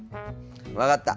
分かった！